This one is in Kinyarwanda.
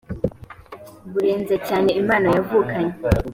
burenze cyane impano yavukanye